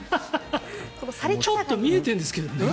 ちょっと見えてるんですけどね。